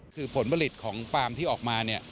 คือผลผลิตของฟาร์มที่ออกมาเนี่ย